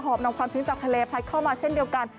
อบนำความชื้นจากทะเลพัดเข้ามาเช่นเดียวกัน